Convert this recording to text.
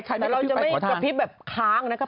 แต่ว่าเราจะไม่เป็นกลับคลิบแบบค้างนะ